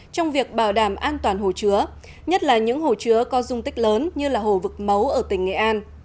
trong việc bảo đảm an toàn hồ chứa nhất là những hồ chứa có dung tích lớn như là hồ vực mấu ở tỉnh nghệ an